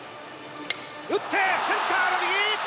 打ってセンターの右！